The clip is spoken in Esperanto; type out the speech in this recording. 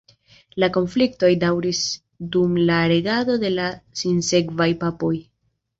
La konfliktoj daŭris dum la regado de la sinsekvaj papoj.